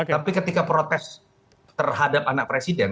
tapi ketika protes terhadap anak presiden